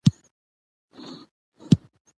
خپل ژوند داسي وکړئ، چي خدای جل جلاله درڅخه خوښ اوسي.